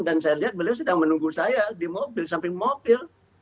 dan saya lihat beliau sedang menunggu saya di mobil di samping mobil